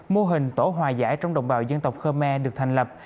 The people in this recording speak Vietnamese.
mô hình tổ hòa giải trong đồng bào dân tộc khmer được thành lập